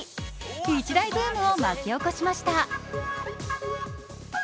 一大ブームを巻き起こしました。